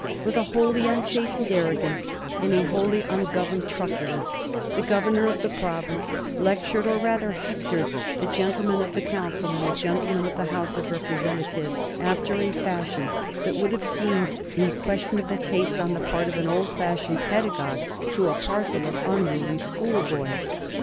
With a wholly unchastened arrogance and a wholly ungoverned truculence, the governor of the province lectured or rather hectored the gentlemen of the Council and the gentlemen of the House of Representatives after a fashion that would have seemed in questionable taste on the part of an old fashioned pedagogue to a parcel of unruly schoolboys.